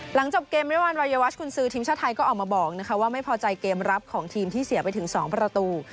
หลังจบเกมริวัลวัยวัชกุญซือทีมชาติไทยก็ออกมาบอกว่าไม่พอใจเกมรับของทีมที่เสียไปถึง๒ประตู